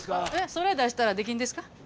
それ出したら出禁ですか？